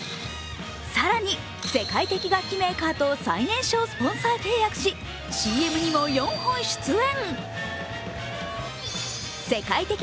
更に、世界的楽器メーカーと最年少スポンサー契約しＣＭにも４本出演。